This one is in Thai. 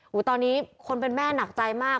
โอ้โหตอนนี้คนเป็นแม่หนักใจมาก